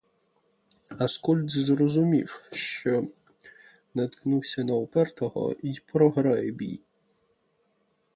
Аскольд зрозумів, що наткнувся на упертого й програє бій.